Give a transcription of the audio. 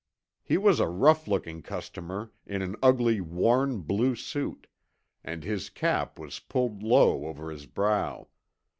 He was a rough looking customer in an ugly, worn blue suit, and his cap was pulled low over his brow.